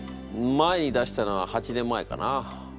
前に出したのは８年前かな。